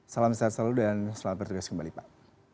salam sehat selalu dan selamat bertugas kembali pak